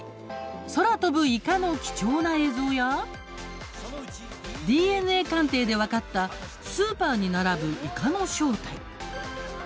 空飛ぶイカの貴重な映像やＤＮＡ鑑定で分かったスーパーに並ぶイカの正体。